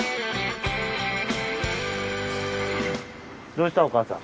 どうしたお母さん。